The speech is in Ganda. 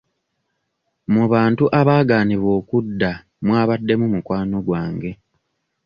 Mu bantu abaaganiddwa okudda mwabaddemu mukwano gwange.